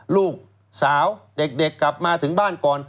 ลูกสาวเด็กกลับมาถึงบ้านก่อน